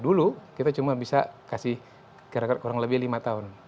dulu kita cuma bisa kasih kira kira kurang lebih lima tahun